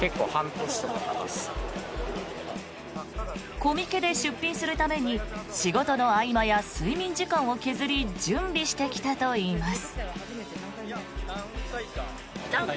コミケで出品するために仕事の合間や睡眠時間を削り準備してきたといいます。